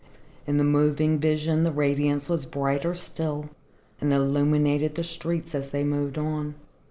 In the moving vision the radiance was brighter still and illuminated the streets as they moved on.